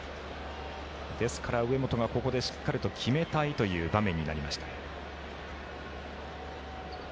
ですので、上本がここでしっかりと決めたいという場面になりました。